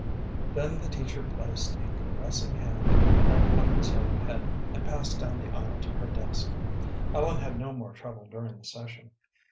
Then the teacher placed a caressing hand upon Ellen's yellow head, and passed down the aisle to her desk. Ellen had no more trouble during the session.